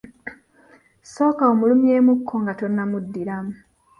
Sooka omulumyeemukko nga tonnamuddiramu.